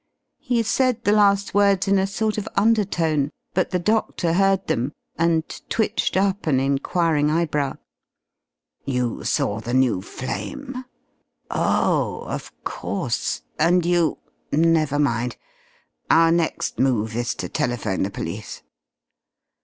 He said the last words in a sort of undertone, but the doctor heard them, and twitched up an enquiring eyebrow. "You saw the new flame? Oh of course. And you never mind. Our next move is to telephone the police."